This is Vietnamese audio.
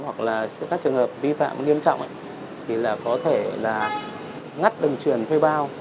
hoặc là các trường hợp vi phạm nghiêm trọng thì có thể ngắt đường truyền thuê bao